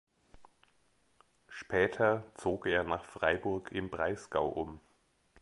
Später zog er nach Freiburg im Breisgau um.